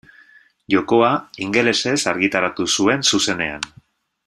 Jokoa ingelesez argitaratu zuen zuzenean.